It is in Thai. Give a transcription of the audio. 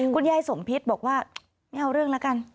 คุณยายสมพิษบอกว่าไม่เอาเรื่องแล้วกัน